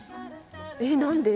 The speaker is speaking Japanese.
えっ何で？